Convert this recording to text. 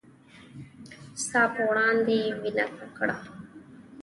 ستا په وړاندې يې وينه وکړه